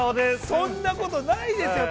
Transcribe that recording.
◆そんなことないですよ。